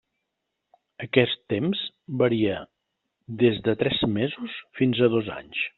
Aquest temps varia des de tres mesos fins a dos anys.